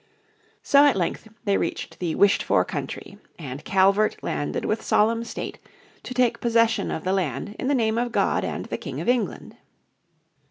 So at length they reached the "wished for country" and Calvert landed with solemn state to take possession of the land in the name of God and the King of England.